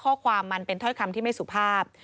ข้อความมันเป็นถ้อยคำที่ไม่สุภาพ